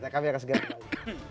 kami akan segera kembali